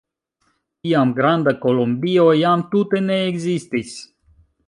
Tiam Granda Kolombio jam tute ne ekzistis.